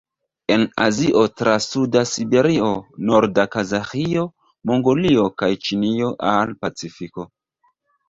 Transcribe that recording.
En Azio tra suda Siberio, norda Kazaĥio, Mongolio kaj Ĉinio al Pacifiko.